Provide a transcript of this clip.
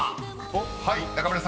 はい中村さん］